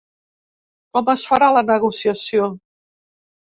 Com es farà la negociació?